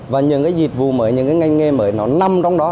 và những cái dịch vụ mới những cái ngành nghề mới nó nằm trong đó